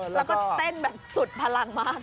แล้วก็เต้นแบบสุดพลังมาก